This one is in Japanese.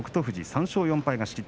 富士、３勝４敗か。